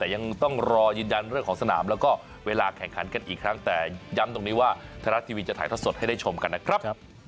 แต่ยังต้องรอยืนยันเรื่องของสนามแล้วก็เวลาแข่งขันกันอีกครั้งแต่ย้ำตรงนี้ว่าไทยรัฐทีวีจะถ่ายทอดสดให้ได้ชมกันนะครับ